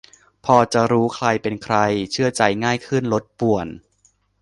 -พอจะรู้ใครเป็นใคร เชื่อใจง่ายขึ้น ลดป่วน